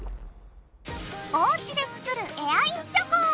おうちで作るエアインチョコ！